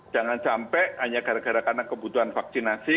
jangan sampai hanya gara gara karena kebutuhan vaksinasi